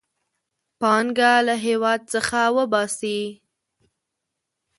پانګه له هېواد څخه وباسي.